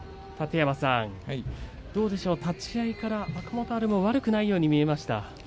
楯山さん、どうでしょうか立ち合いから若元春も悪くないように見えました。